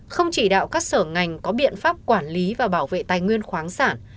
không chỉ đạo các sở ngành có biện pháp quản lý và bảo vệ tài nguyên khoáng sản